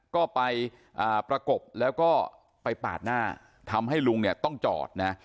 ก็ไปประกบแล้วก็ไปปาดหน้าทำให้ลุงเนี่ยต้องจอดนะ